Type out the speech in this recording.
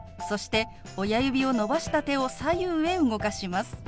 そして親指を伸ばした手を左右へ動かします。